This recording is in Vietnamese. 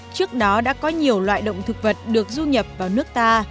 trước đó đã có nhiều loại động thực vật được du nhập vào nước ta